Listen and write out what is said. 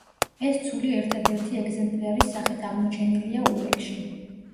ეს ცული ერთადერთი ეგზემპლიარის სახით აღმოჩენილია ურეკში.